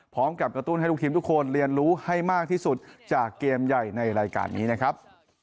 กระตุ้นให้ลูกทีมทุกคนเรียนรู้ให้มากที่สุดจากเกมใหญ่ในรายการนี้นะครับ